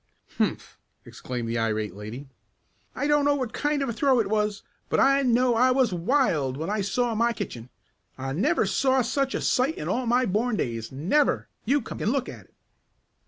"Humph!" exclaimed the irate lady. "I don't know what kind of a throw it was but I know I was wild when I saw my kitchen. I never saw such a sight in all my born days never! You come and look at it."